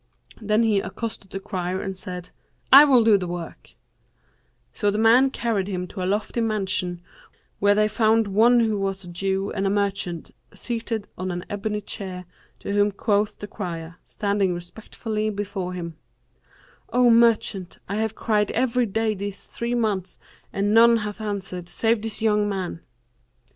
Then he accosted the crier and said, 'I will do the work;' so the man carried him to a lofty mansion where they found one who was a Jew and a merchant, seated on an ebony chair, to whom quoth the crier, standing respectfully before him, 'O merchant, I have cried every day these three months, and none hath answered, save this young man.'